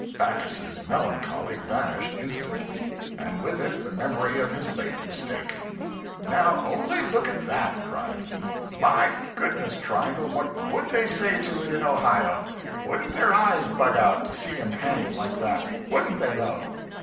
Backus's melancholy vanished instantly, and with it the memory of his late mistake. 'Now only look at that!' cried he; 'My goodness, Triangle, what _would _they say to it in Ohio. Wouldn't their eyes bug out, to see 'em handled like that? wouldn't they, though?'